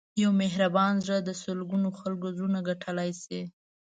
یو مهربان زړه د سلګونو خلکو زړونه ګټلی شي.